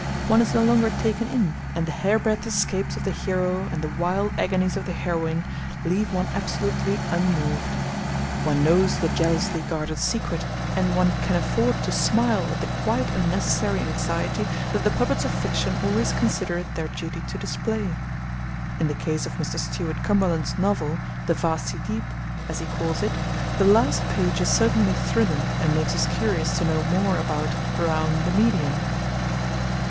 One is no longer taken in, and the hairbreadth escapes of the hero and the wild agonies of the heroine leave one absolutely unmoved. One knows the jealously guarded secret, and one can afford to smile at the quite unnecessary anxiety that the puppets of fiction always consider it their duty to display. In the case of Mr. Stuart Cumberland's novel, The Vasty Deep, as he calls it, the last page is certainly thrilling and makes us curious to know more about 'Brown, the medium.'